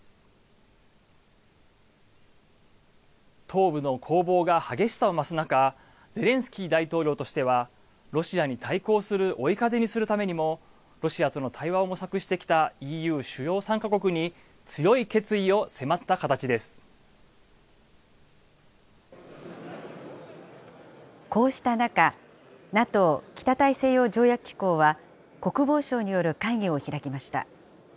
東部の攻防が激しさを増す中、ゼレンスキー大統領としてはロシアに対抗する追い風にするためにも、ロシアとの対話を模索してきたＥＵ主要３か国に強い決意を迫ったこうした中、ＮＡＴＯ・北大西洋条約機構は国防相による会議を開きました。